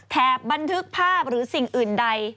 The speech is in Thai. บันทึกภาพหรือสิ่งอื่นใด